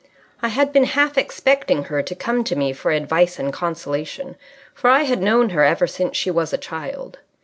I had been half expecting her to come to me for advice and consolation, for I had known her ever since she was a child.